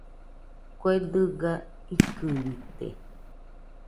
Kue dɨga ikɨrite